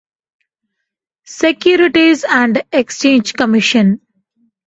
Securities and Exchange Commission.